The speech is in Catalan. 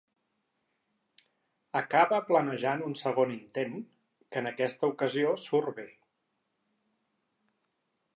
Acaba planejant un segon intent, que en aquesta ocasió surt bé.